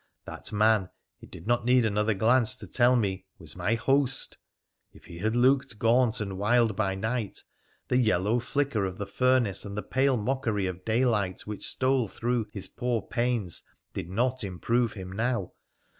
That man, it did not need another glance to tell me, was my host ! If he had looked gaunt and wild by night, the yellow flicker of the furnace and the pale mockery of day light which stole through his poor panes did not improve him now.